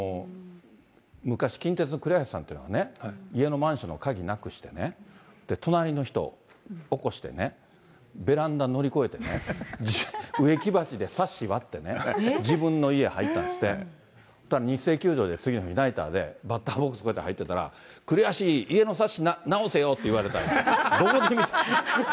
昔、近鉄のさんっていう人がね、家のマンションの鍵なくしてね、隣の人起こしてね、ベランダ乗り越えてね、植木鉢でサッシ割ってね、自分の家入ったんですって、そうしたらにっせい球場で次の日バッターに入ってたら、くりはし、家のサッシ直せよって言われたんですって。